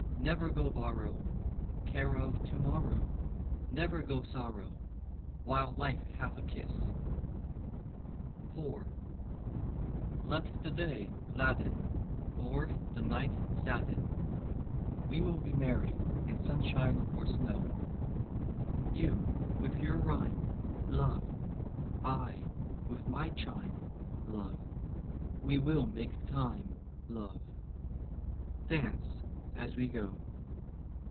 Never go borrow Care of to morrow, Never go sorrow While life hath a kiss." IV. Let the day gladden Or the night sadden, We will be merry in sunshine or snow; You with your rhyme, love, I with my chime, love, We will make time, love, Dance as we go.